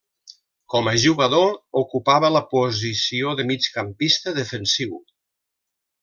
Com a jugador ocupava la posició de migcampista defensiu.